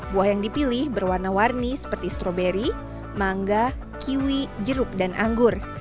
buah yang dipilih berwarna warni seperti stroberi mangga kiwi jeruk dan anggur